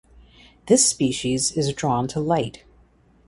This species is drawn to light.